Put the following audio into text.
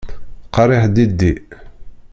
Qeṛṛiḥ diddi!